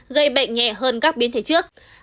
gây bệnh nhẹ hơn các biến thể trước